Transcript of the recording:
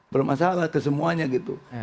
bermasalah ke semuanya gitu